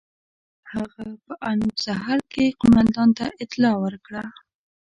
هغه په انوپ سهر کې قوماندان ته اطلاع ورکړه.